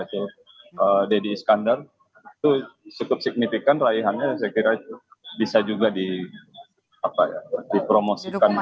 jadi itu juga saya kira itu cukup signifikan raihannya saya kira bisa juga dipromosikan